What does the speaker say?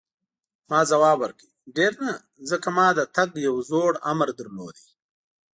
ما ځواب ورکړ: ډېر نه، ځکه ما د تګ یو زوړ امر درلود.